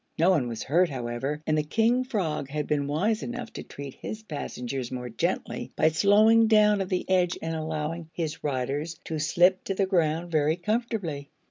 No one was hurt, however, and the King Frog had been wise enough to treat his passengers more gently by slowing down at the edge and allowing his riders to slip to the ground very comfortably.